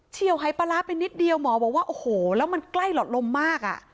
ี่ยวหายปลาร้าไปนิดเดียวหมอบอกว่าโอ้โหแล้วมันใกล้หลอดลมมากอ่ะ